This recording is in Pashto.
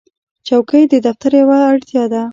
چوکۍ د دفتر یوه اړتیا ده.